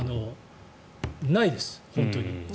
ないです、本当に。